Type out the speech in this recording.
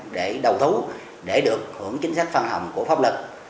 để đầu thú để được hưởng chính sách phân hồng của pháp lực